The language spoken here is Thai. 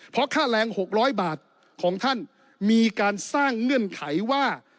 เพราะค่าแรง๖๐๐บาทของท่านมีการสร้างเงื่อนไขว่า